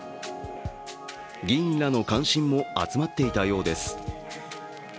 議員らの関心も集まっていたようです。